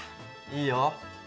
いいよ。